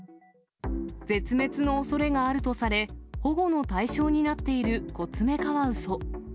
絶滅のおそれがあるとされ、保護の対象になっているコツメカワウソ。